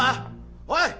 おい！